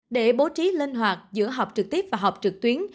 để bố trí linh hoạt giữa học trực tiếp và học trực tuyến